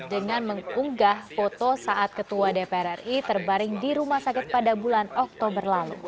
dengan mengunggah foto saat ketua dpr ri terbaring di rumah sakit pada bulan oktober lalu